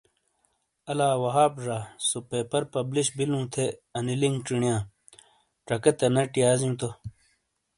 الا وہاب زا ، سو پیپر پبلش بِیلوں تھے انی لنک چینیا، چکے تا نیٹ یازیوں تو۔